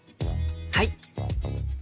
はい！